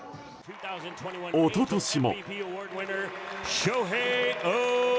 一昨年も。